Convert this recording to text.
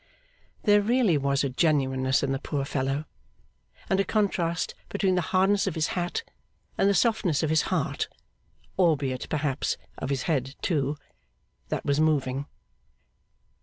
There really was a genuineness in the poor fellow, and a contrast between the hardness of his hat and the softness of his heart (albeit, perhaps, of his head, too), that was moving.